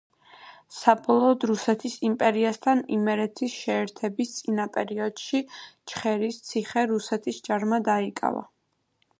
საბოლოოდ რუსეთის იმპერიასთან იმერეთის შეერთების წინა პერიოდში ჩხერის ციხე რუსეთის ჯარმა დაიკავა.